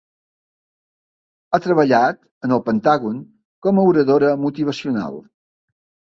Ha treballat en el Pentàgon com a oradora motivacional.